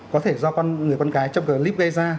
có thể do người con cái trong clip gây ra